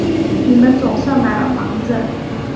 你们总算买了房子